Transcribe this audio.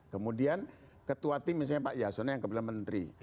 kemudian ketua tim misalnya pak yasona yang kebetulan menteri